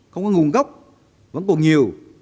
không có nguồn gốc vẫn còn nhiều